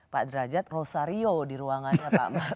pak derajat rosario di ruangannya pak